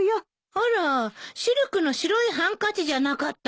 あらシルクの白いハンカチじゃなかったの？